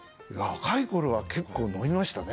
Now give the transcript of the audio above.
若い頃は結構飲みましたね